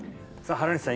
原西さん